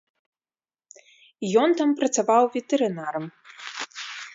Ён там працаваў ветэрынарам.